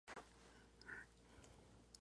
Se encuentra al Occidente del país.